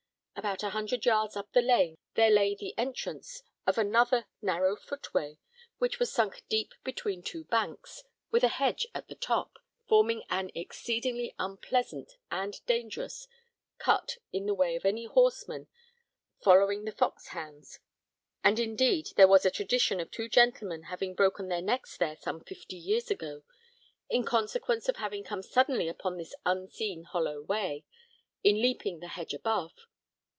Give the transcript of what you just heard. About a hundred yards up the lane there lay the entrance of another narrow footway which was sunk deep between two banks, with a hedge at the top, forming an exceedingly unpleasant and dangerous cut in the way of any horseman following the fox hounds; and indeed there was a tradition of two gentlemen having broken their necks there some fifty years ago, in consequence of having come suddenly upon this unseen hollow way, in leaping the hedge above.